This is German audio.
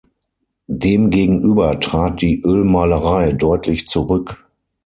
Demgegenüber trat die Ölmalerei deutlich zurück.